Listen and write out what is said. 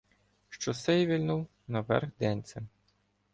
Що сей вильнув наверх денцем.